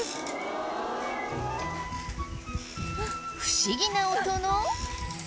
不思議な音の。